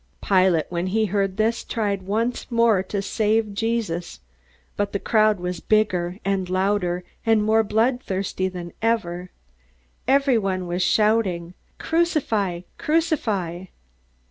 Pilate, when he heard this, tried once more to save Jesus. But the crowd was bigger, and louder, and more bloodthirsty than ever. Everyone was shouting: "Crucify! Crucify!"